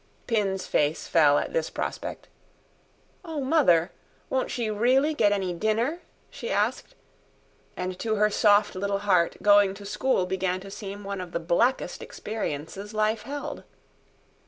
Pin's face fell at this prospect. "Oh, mother, won't she really get any dinner?" she asked: and to her soft little heart going to school began to seem one of the blackest experiences life held.